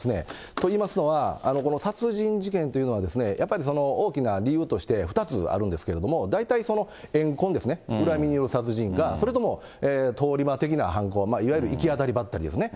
といいますのは、この殺人事件というのは、やっぱり大きな理由として２つあるんですけれども、大体、怨恨ですね、恨みによる殺人か、それとも通り魔的な犯行、いわゆる行き当たりばったりですね。